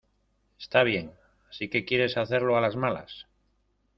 Está bien. Así que quieres hacerlo a las malas ...